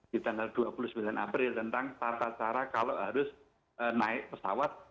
di tanggal dua puluh sembilan april tentang tata cara kalau harus naik pesawat